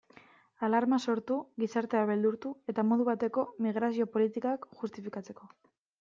Alarma sortu, gizartea beldurtu, eta modu bateko migrazio politikak justifikatzeko.